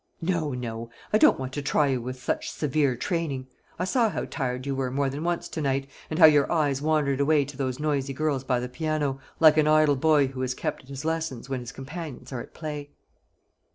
"No, no; I don't want to try you with such severe training. I saw how tired you were more than once to night, and how your eyes wandered away to those noisy girls by the piano, like an idle boy who is kept at his lessons when his companions are at play."